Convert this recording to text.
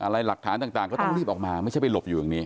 หลักฐานต่างก็ต้องรีบออกมาไม่ใช่ไปหลบอยู่อย่างนี้